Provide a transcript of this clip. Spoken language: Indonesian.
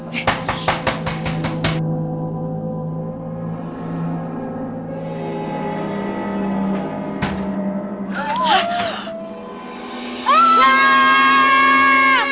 bapak bapak bapak